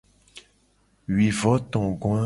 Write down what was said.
Wuivotogoa.